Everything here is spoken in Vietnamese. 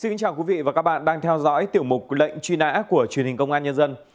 xin chào quý vị và các bạn đang theo dõi tiểu mục lệnh truy nã của truyền hình công an nhân dân